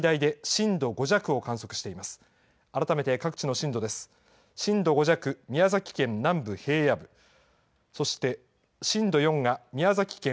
震度５弱、宮崎県南部平野部、そして、震度４が宮崎県